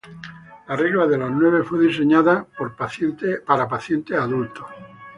La regla de los nueves fue diseñada para pacientes adultos.